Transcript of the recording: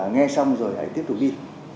nghe xong rồi hãy tiếp tục đi